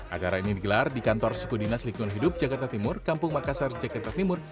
acara ini digelar di kantor sukudinas likun hidup jakarta timur kampung makassar jakarta timur